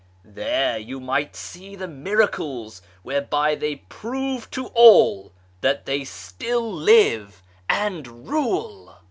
There you might see the miracles whereby they prove to all that they still live and rule."